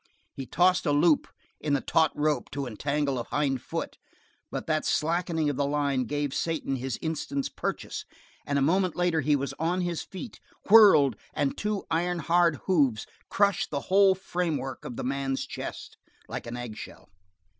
He tossed a loop in the taut rope to entangle a bind foot, but that slackening of the line gave Satan his instant's purchase, and a moment later he was on his feet, whirled, and two iron hard hoofs crushed the whole framework of the man's chest like an egg shell.